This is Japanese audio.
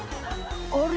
「あれ？